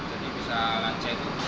jadi bisa lanci itu